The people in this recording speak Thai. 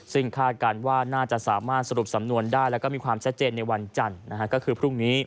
ซึ่งคาดการณ์ว่าน่าจะสามารถสรุปสำนวนได้แล้วก็มีความแสดงในวันจันทร์